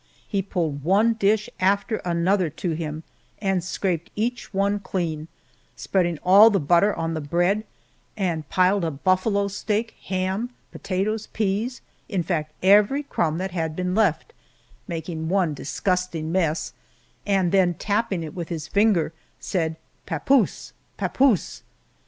He pulled one dish after another to him, and scraped each one clean, spreading all the butter on the bread, and piled up buffalo steak, ham, potatoes, peas in fact, every crumb that had been left making one disgusting mess, and then tapping it with his finger said, "Papoose! Papoose!"